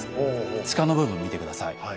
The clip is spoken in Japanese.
柄の部分見て下さい。